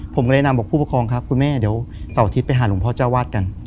ผมก็เลยนำบอกผู้ปกครองครับคุณแม่เดี๋ยวเสาร์อาทิตย์ไปหาหลวงพ่อเจ้าวาดกัน